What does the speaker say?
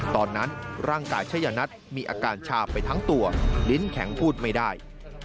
ตอนนั้นร่างกายชัยนัทมีอาการชาไปทั้งตัวลิ้นแข็งพูดไม่ได้